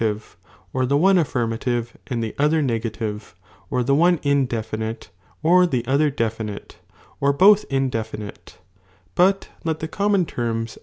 tire, or the one affirmative and tlie other negative, or the one tiwlefinite, or the other delinile, or both indefinite ; but let the "■mmal," "white," "atone."